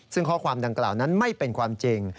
ซึ่งข้อความดังกล่าวนั้นไม่เป็นความจริง